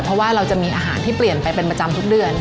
เพราะว่าเราจะมีอาหารที่เปลี่ยนไปเป็นประจำทุกเดือน